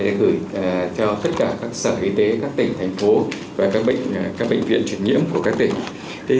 để gửi cho tất cả các sở y tế các tỉnh thành phố và các bệnh viện truyền nhiễm của các tỉnh